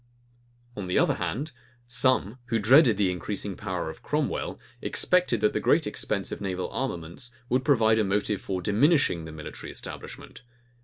On the other hand, some, who dreaded the increasing power of Cromwell, expected that the great expense of naval armaments would prove a motive for diminishing the military establishment.